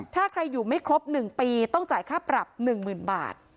ถ้าใครอยู่ไม่ครบ๑ปีต้องจ่ายค่าปรับ๑๐๐๐บาท